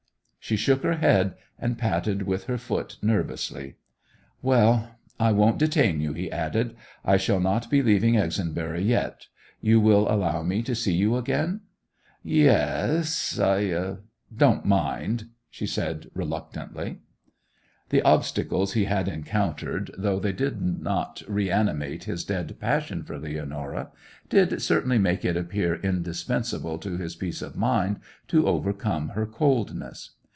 She shook her head, and patted with her foot nervously. 'Well, I won't detain you,' he added. 'I shall not be leaving Exonbury yet. You will allow me to see you again?' 'Yes; I don't mind,' she said reluctantly. The obstacles he had encountered, though they did not reanimate his dead passion for Leonora, did certainly make it appear indispensable to his peace of mind to overcome her coldness.